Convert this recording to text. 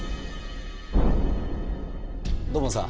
土門さん